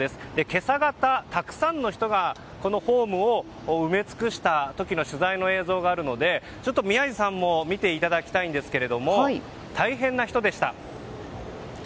今朝方たくさんの人がこのホームを埋め尽くした時の取材の映像があるので宮司さんも見ていただきたいんですが大変な人でした。